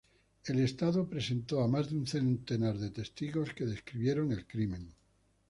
El estado presentó a más de un centenar de testigos que describieron el crimen.